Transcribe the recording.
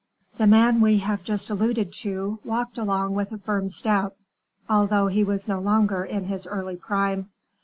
The man we have just alluded to walked along with a firm step, although he was no longer in his early prime.